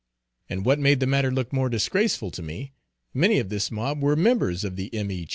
And what made the matter look more disgraceful to me, many of this mob were members of the M.E.